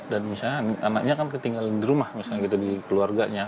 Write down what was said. dan misalnya anaknya kan ketinggalan di rumah misalnya gitu di keluarganya